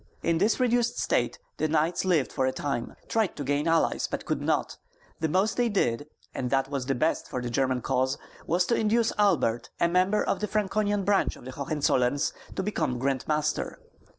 In this reduced state the knights lived for a time, tried to gain allies, but could not; the most they did and that was the best for the German cause was to induce Albert, a member of the Franconian branch of the Hohenzollerns, to become grand master.